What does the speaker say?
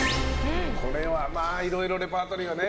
これはいろいろレパートリーはね。